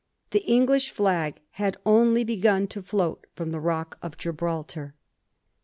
The English flag had only begun to float from the Rock of Gibraltar.